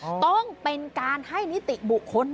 สุดทนแล้วกับเพื่อนบ้านรายนี้ที่อยู่ข้างกัน